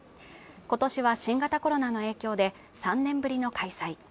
今年は新型コロナの影響で３年ぶりの開催。